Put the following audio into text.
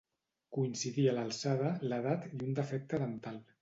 Coincidia l'alçada, l'edat i un defecte dental.